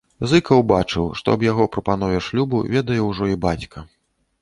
Зыкаў бачыў, што аб яго прапанове шлюбу ведае ўжо і бацька.